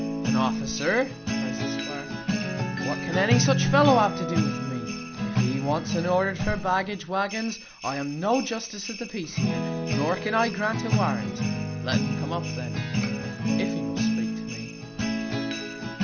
"An officer!" cries the squire; "what can any such fellow have to do with me? If he wants an order for baggage waggons, I am no justice of peace here, nor can I grant a warrant. Let un come up then, if he must speak to me."